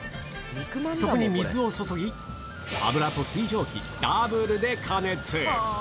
そこに水を注ぎ、油と水蒸気、ダブルで加熱。